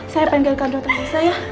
saya pengen biar kandungan elsa ya